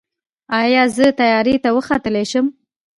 ایا زه طیارې ته وختلی شم؟